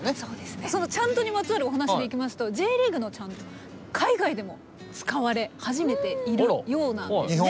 そのチャントにまつわるお話でいきますとＪリーグのチャント海外でも使われ始めているようなんですね。